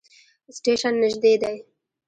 سټیشن نژدې دی